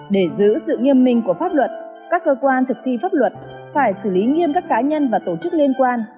để giữ sự nghiêm minh của pháp luật các cơ quan thực thi pháp luật phải xử lý nghiêm các cá nhân và tổ chức liên quan